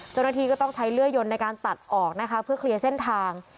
จนทีก็ต้องใช้เลือดยนต์ในการตัดออกเพื่อเคลียร์เส้นทาง